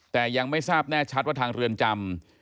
แต่ยังไม่ทราบแน่ชัดว่าทางเรือนจำ